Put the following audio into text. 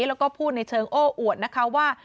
แล้วก็พูดในเชิงโอ้อวดนะคะว่า